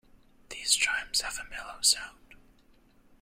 These chimes have a mellow sound.